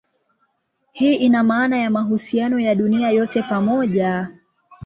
Hii ina maana ya mahusiano ya dunia yote pamoja.